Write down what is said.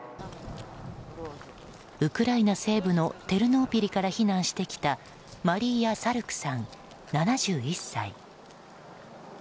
ウクライナ西部のテルノピリから避難してきたマリーア・サルクさん、７１歳。